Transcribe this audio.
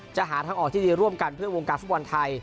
หาทางออกที่ดีร่วมกันเพื่อวงการฟุตบอลไทย